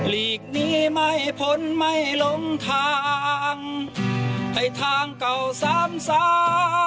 ลีกนี้ไม่พ้นไม่ลงทางให้ทางเก่าสามสา